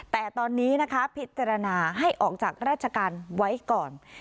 แต่ตอนนี้นะคะพิจารณาให้ออกจากราชการไว้ก่อน